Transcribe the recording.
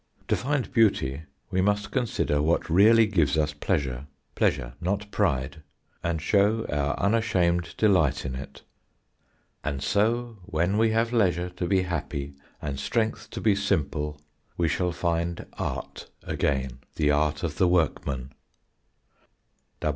To find beauty we must consider what really gives us pleasure pleasure, not pride and show our unashamed delight in it; "and so, when we have leisure to be happy and strength to be simple we shall find Art again" the art of the workman.